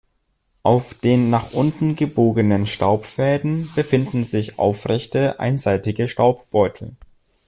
Auf den nach unten gebogenen Staubfäden befinden sich aufrechte, einseitige Staubbeutel.